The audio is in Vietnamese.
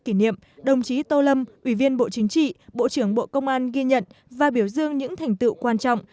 kỷ niệm đồng chí tô lâm ủy viên bộ chính trị bộ trưởng bộ công an ghi nhận và biểu dương những thành tựu quan trọng